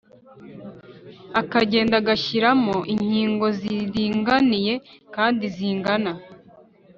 akagenda ashyiramo inkingo ziringaniye kandi zingana